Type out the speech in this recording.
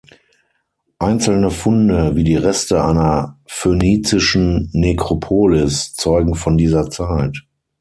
Einzelne Funde, wie die Reste einer phönizischen Nekropolis, zeugen von dieser Zeit.